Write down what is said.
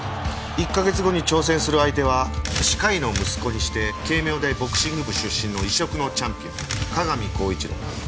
１カ月後に挑戦する相手は歯科医の息子にして慶明大ボクシング部出身の異色のチャンピオン加賀見光一郎。